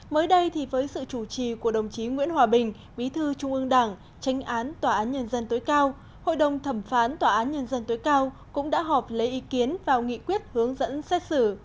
mới đây thì với sự chủ trì của đồng chí nguyễn hòa bình bí thư trung ương đảng tranh án tòa án nhân dân tối cao hội đồng thẩm phán tòa án nhân dân tối cao cũng đã họp lấy ý kiến vào nghị quyết hướng dẫn xét xử